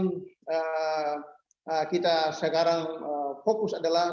yang paling kita sekarang fokus adalah